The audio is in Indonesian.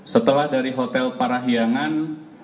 setelah dari hotel parahiangan